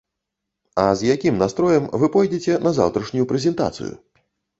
А з якім настроем вы пойдзеце на заўтрашнюю прэзентацыю?